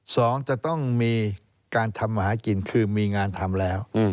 สองจะต้องมีการทำหากินคือมีงานทำแล้ว